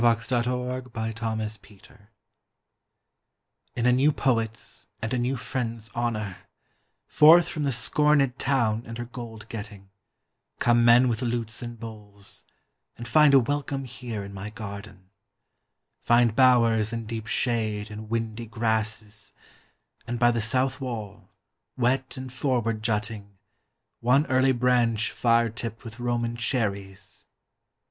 The Cherry Bough IN a new poet's and a new friend's honor, Forth from the scornèd town and her gold getting, Come men with lutes and bowls, and find a welcome Here in my garden, Find bowers and deep shade and windy grasses, And by the south wall, wet and forward jutting, One early branch fire tipped with Roman cherries.